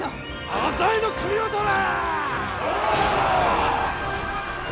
浅井の首を取れ！